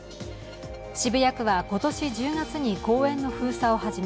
渋谷区は今年１０月に公園の封鎖を始め